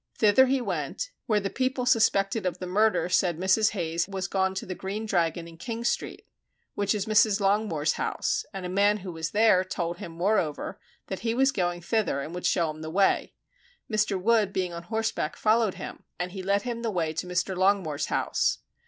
Thither he went, where the people suspected of the murder said Mrs. Hayes was gone to the Green Dragon in King Street, which is Mrs. Longmore's house; and a man who was there told him, moreover, that he was going thither and would show him the way; Wood being on horseback followed him, and he led him the way to Mr. Longmore's house.